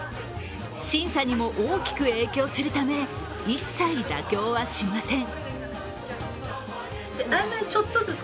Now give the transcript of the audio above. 審査にも大きく影響するため一切妥協はしません。